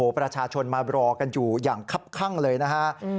ประชาชนมารอกันอยู่อย่างคับข้างเลยนะฮะ